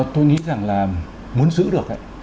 tôi nghĩ rằng là muốn giữ được ấy